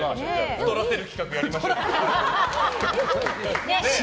太らせる企画、やりましょう。